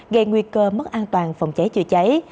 gây nguy cơ mất an toàn phòng cháy chữa cháy